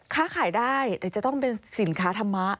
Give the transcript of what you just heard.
ค้าขายได้แต่จะต้องเป็นสินค้าธรรมะ